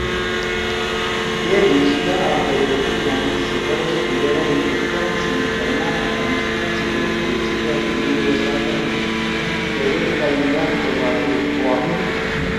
اے حی شیِلا آں غیرتی گھأنڈی سی فرض تُھو یرأ ہندوستان سی مسلمان افغانستان سی بچ کؤ سی کیا تنُو وسا پرکےکھیدیک کا امداد کوبھادیو کُوا